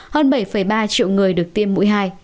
hơn bảy ba triệu người được tiêm mũi hai